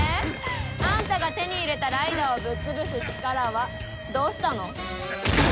あんたが手に入れたライダーをぶっ潰す力はどうしたの？